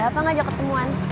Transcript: ada apa ngajak ketemuan